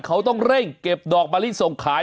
เขาต้องเร่งเก็บดอกมะลิส่งขาย